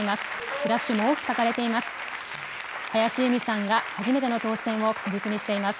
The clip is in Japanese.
フラッシュも多くたかれています。